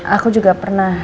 aku juga pernah